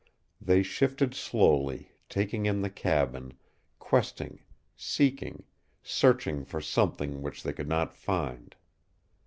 They shifted slowly, taking in the cabin, questing, seeking, searching for something which they could not find.